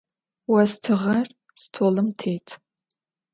Vostığer stolım têt.